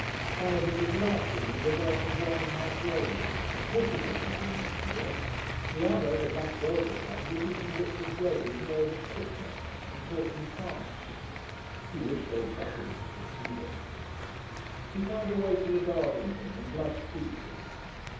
One of them was laughing with a glass of wine half raised wicked looking woman she was the other, the black velvet one, was eating bits of bread with nervous quickness and talking fast. He wished old Buggins could see them. He found a waiter regarding him and blushed deeply.